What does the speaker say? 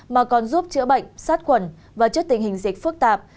mà còn giúp chữa bệnh sát khuẩn và trước tình hình dịch phức tạp